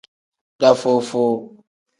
Dafuu-fuu.